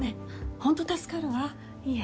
ホント助かるわいえ